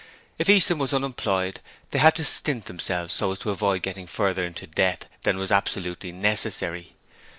If Easton was unemployed they had to stint themselves so as to avoid getting further into debt than was absolutely necessary.